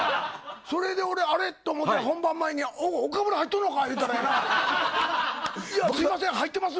それで俺あれっと思ったら本番前に岡村入ったのかと言ったらすいません、入ってます